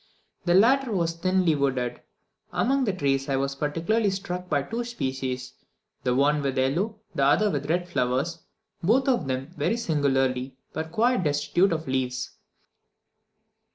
The latter were thinly wooded; among the trees I was particularly struck by two species, the one with yellow, the other with red flowers; both of them, very singularly, were quite destitute of leaves.